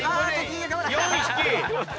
４匹。